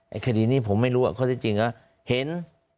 ไอ้คดีนี้ผมไม่รู้อะเขาจริงเห็น